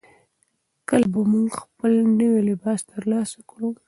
کله به موږ خپل نوی لباس ترلاسه کړو؟